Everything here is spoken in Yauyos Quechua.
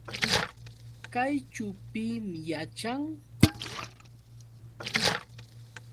¿Kayćhu pim yaćhan?